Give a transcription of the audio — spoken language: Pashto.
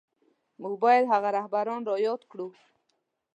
موږ بايد هغه رهبران را ياد کړو.